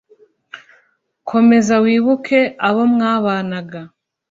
Komeza wibuke abo mwabanaga